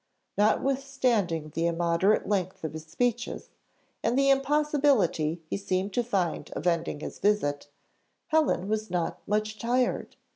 Notwithstanding the immoderate length of his speeches, and the impossibility he seemed to find of ending his visit, Helen was not much tired.